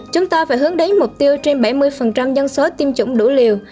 chúng ta phải hướng đến mục tiêu trên bảy mươi dân số tiêm chủng đủ liều